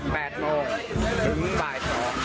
๘โมงถึงบ่าย๒